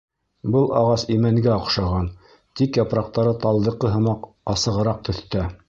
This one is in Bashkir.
Был ағас имәнгә оҡшаған, тик япраҡтары талдыҡы һымаҡ асығыраҡ төҫтә.